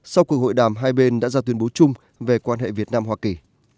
sau cuộc hội đàm hai bên đã ra tuyên bố chung về quan hệ việt nam hoa kỳ